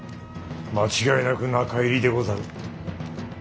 間違いなく中入りでござる。